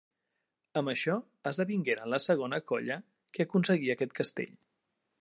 Amb això, esdevingueren la segona colla que aconseguia aquest castell.